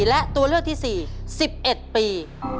และตัวเลือกที่สี่สิบเอ็ดปี